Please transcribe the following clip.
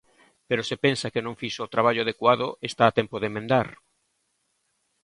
Pero se pensa que non fixo o traballo adecuado, está a tempo de emendar.